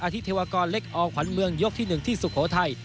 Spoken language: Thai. ที่เทวากรเล็กอขวัญเมืองยกที่๑ที่สุโขทัย